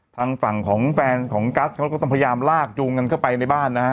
ทางฝั่งของแฟนของกัสเขาก็ต้องพยายามลากจูงกันเข้าไปในบ้านนะฮะ